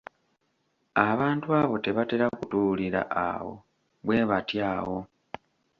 Abantu abo tebatera kutuulira awo. bwe batyo awo.